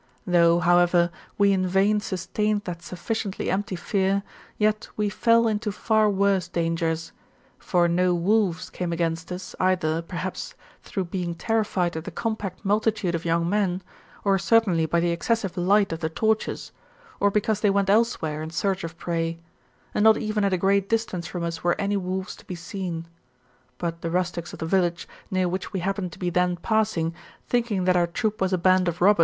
Though; however, we in vain sustained that sufficiently empty fear, yet we fell into far worse dangers ; for no wolves came against us, either, perhaps, through being terrified at the compact multi tude of young men, or certainly by the excessive light of the torches, or because they went elsewhere in search of prey ; and not even at a great distance from us were any wolves to be seen. But the rustics of the village, near which we happened to be then passing, thinking that our troop was a band of r9bbers.